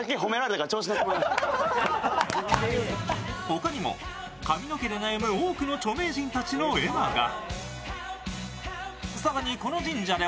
ほかにも髪の毛で悩む多くの著名人の絵馬が。